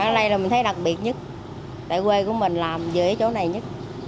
đây là mình thấy đặc biệt nhất tại quê của mình làm dưới chỗ này nhất